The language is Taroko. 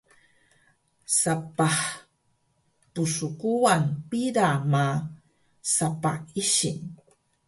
sapah pskuwan pila ma sapah ising